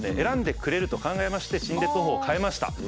選んでくれると考えまして陳列方法を変えました。